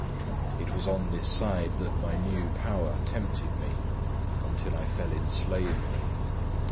It was on this side that my new power tempted me until I fell in slavery.